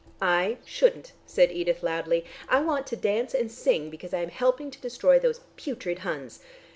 "I shouldn't," said Edith loudly. "I want to dance and sing because I am helping to destroy those putrid Huns.